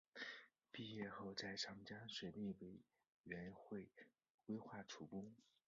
毕业后在长江水利委员会规划处工。